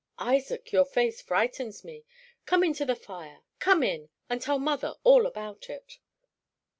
"Isaac, your face frightens me. Come in to the fire come in, and tell mother all about it."